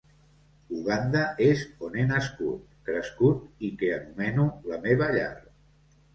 Uganda és on he nascut, crescut i que anomeno la meva llar.